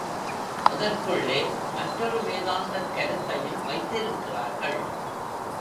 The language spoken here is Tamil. அதற்குள்ளே மற்றொரு வேதாந்தக் கருத்தையும் வைத்திருக்கிறார்கள்.